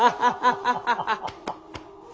ハハハハハ。